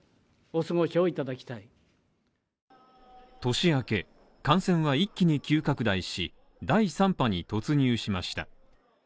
年明け感染は一気に急拡大し、第３波に突入しました。